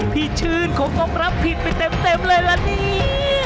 พี่ชื่นคงต้องรับผิดไปเต็มเลยล่ะเนี่ย